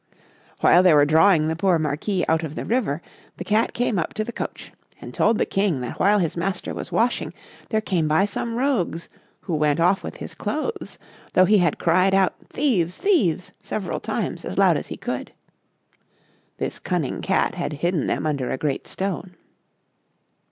While they were drawing the poor Marquis out of the river, the Cat came up to the coach, and told the King that while his master was washing, there came by some rogues, who went off with his clothes, tho' he had cried out "Thieves, thieves," several times, as loud as he could. This cunning Cat had hidden them under a great stone.